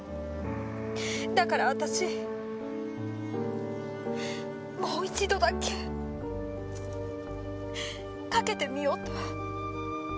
だから私もう一度だけかけてみようと。